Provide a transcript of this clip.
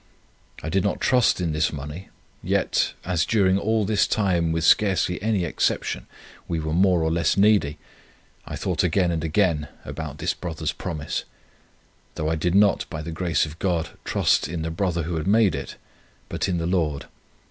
I did not trust in this money, yet, as during all this time, with scarcely any exception, we were more or less needy, I thought again and again about this brother's promise; though I did not, by the grace of God, trust in the brother who had made it, but in the Lord.